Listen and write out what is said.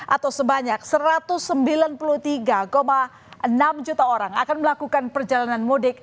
atau sebanyak satu ratus sembilan puluh tiga enam juta orang akan melakukan perjalanan mudik